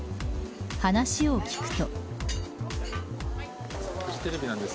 話を聞くと。